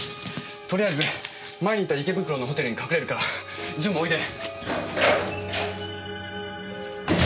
とりあえず前に行った池袋のホテルに隠れるからジュンもおいで。